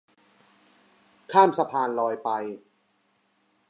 ข้ามสะพานลอยไป